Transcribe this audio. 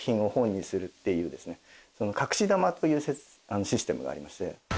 というシステムがありまして。